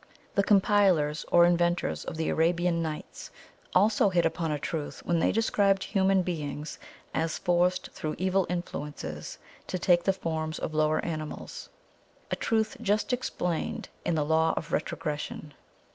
The compilers or inventors of the 'Arabian Nights' also hit upon a truth when they described human beings as forced through evil influences to take the forms of lower animals a truth just explained in the Law of Retrogression.